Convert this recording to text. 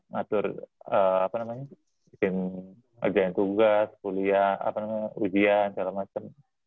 ngatur apa namanya bikin kerjain tugas kuliah ujian segala macam